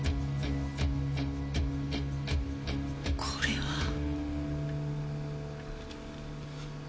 これは。